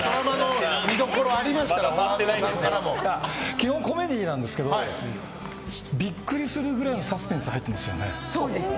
基本、コメディーなんですけどビックリするぐらいのサスペンス入ってますよね。